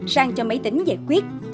sang cho máy tính giải quyết